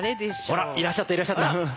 ほらいらっしゃったいらっしゃった！